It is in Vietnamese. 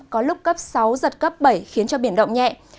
có lúc cấp sáu giật cấp bảy khiến cho biển động nhẹ